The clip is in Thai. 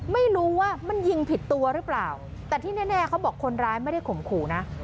ไม่รู้ว่ามันยิงผิดตัวหรือเปล่าแต่ที่แน่เขาบอกคนร้ายไม่ได้ข่มขู่นะ